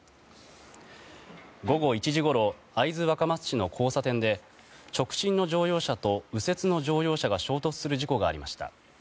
午後１時ごろ会津若松市の交差点で直進の乗用車と右折の乗用車が衝突する事故がありました。